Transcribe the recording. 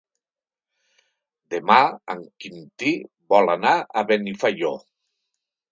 Demà en Quintí vol anar a Benifaió.